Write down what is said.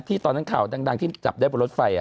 ตอนนั้นข่าวดังที่จับได้บนรถไฟ